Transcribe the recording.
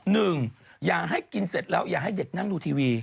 หนึ่งอย่าให้กินเสร็จแล้วอย่าให้เด็กดูทีวี